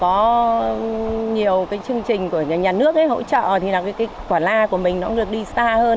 có nhiều cái chương trình của nhà nước ấy hỗ trợ thì là cái quả la của mình nó cũng được đi xa hơn